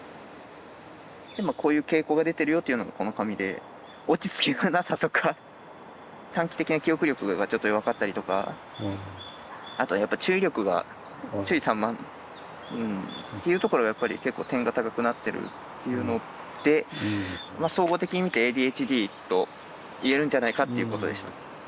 今こういう傾向が出てるよっていうのがこの紙で落ち着きのなさとか短期的な記憶力がちょっと弱かったりとかあとはやっぱ注意力が注意散漫っていうところがやっぱり結構点が高くなってるっていうので総合的に見てＡＤＨＤといえるんじゃないかっていうことでした。